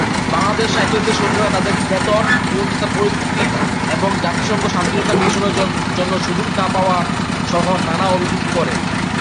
বাংলাদেশ রাইফেলসের সৈন্যরা তাদের বেতন, জীবনযাত্রার পরিস্থিতি এবং জাতিসংঘ শান্তিরক্ষা মিশনের জন্য সুযোগ না পাওয়া সহ নানা অভিযোগ করে।